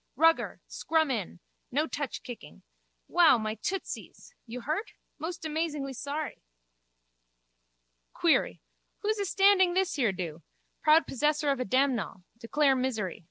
Rugger. Scrum in. No touch kicking. Wow, my tootsies! You hurt? Most amazingly sorry! Query. Who's astanding this here do? Proud possessor of damnall. Declare misery.